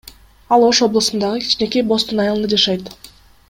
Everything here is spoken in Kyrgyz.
Ал Ош облусундагы кичинекей Бостон айылында жашайт.